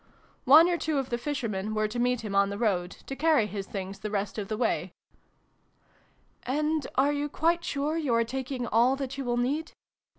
One or two of the fishermen were to meet him on the road, to carry his things the rest of the way. " And are you quite sure you are taking all that you will need